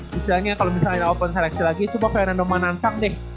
misalnya kalo misalnya open seleksi lagi coba fernando manancang deh